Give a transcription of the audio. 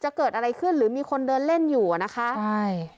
จะเกิดอะไรขึ้นหรือมีคนเดินเล่นอยู่อ่ะนะคะใช่